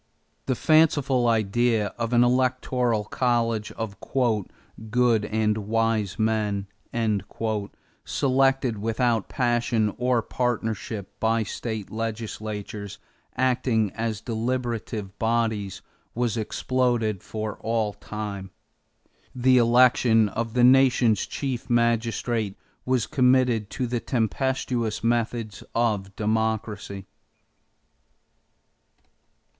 The fanciful idea of an electoral college of "good and wise men," selected without passion or partisanship by state legislatures acting as deliberative bodies, was exploded for all time; the election of the nation's chief magistrate was committed to the tempestuous methods of democracy.